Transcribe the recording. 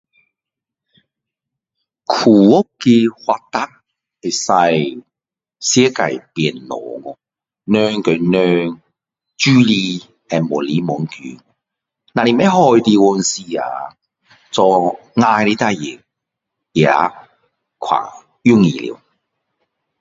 科学的发达使世界变小掉人和人的距离会越来越近只是不好的地方是啊做坏的事情也较容易掉